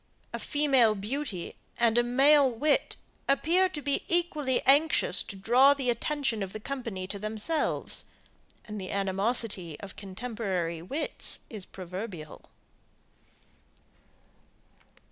A female beauty and a male wit, appear to be equally anxious to draw the attention of the company to themselves; and the animosity of contemporary wits is proverbial.